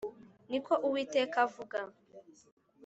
ni ko Uwiteka avuga